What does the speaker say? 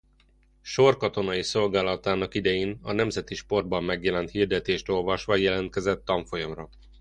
Sorkatonai szolgálatának idején a Nemzeti Sportban megjelent hirdetést olvasva jelentkezett tanfolyamra.